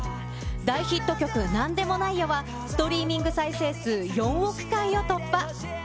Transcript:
大ヒット曲、なんでもないよ、は、ストリーミング再生数４億回を突破。